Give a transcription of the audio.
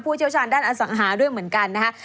เชี่ยวชาญด้านอสังหาด้วยเหมือนกันนะคะ